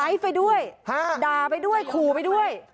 ไลฟ์ไปด้วยด่าไปด้วยคูณไปด้วย